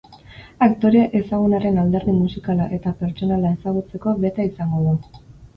Aktore ezagunaren alderdi musikala eta pertsonala ezagutzeko beta izango dugu.